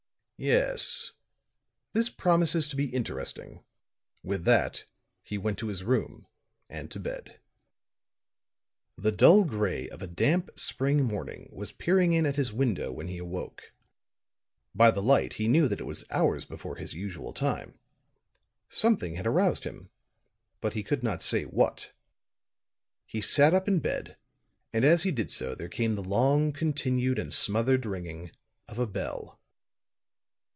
Yes, this promises to be interesting." With that he went to his room and to bed. The dull gray of a damp spring morning was peering in at his window when he awoke. By the light he knew that it was hours before his usual time. Something had aroused him; but he could not say what. He sat up in bed, and as he did so there came the long continued and smothered ringing of a bell.